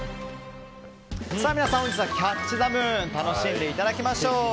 皆さん、本日はキャッチ・ザ・ムーン楽しんでいただきましょう！